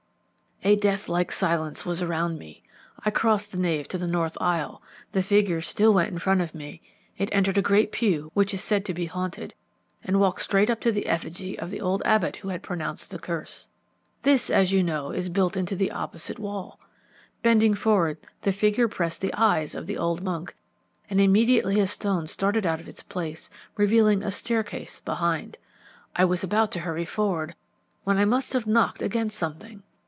"A death like silence was around me. I crossed the nave to the north aisle; the figure still went in front of me; it entered the great pew which is said to be haunted, and walked straight up to the effigy of the old abbot who had pronounced the curse. This, as you know, is built into the opposite wall. Bending forward, the figure pressed the eyes of the old monk, and immediately a stone started out of its place, revealing a staircase behind. I was about to hurry forward, when I must have knocked against something.